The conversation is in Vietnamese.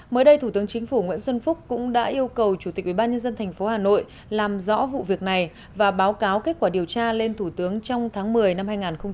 mới đây thủ tướng chính phủ nguyễn xuân phúc cũng đã yêu cầu chủ tịch ubnd tp hà nội làm rõ vụ việc này và báo cáo kết quả điều tra lên thủ tướng trong tháng một mươi năm hai nghìn một mươi chín